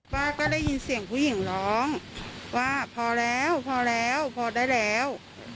ป้าก็ได้ยินเสียงผู้หญิงร้องว่าพอแล้วพอแล้วพอได้แล้ว